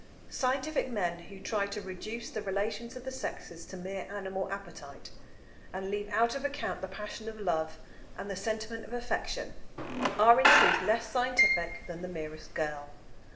Scientific men who try to reduce the relations of the sexes to mere animal appetite, and leave out of account the passion of love and the sentiment of affection are in truth less scientific than the merest girl.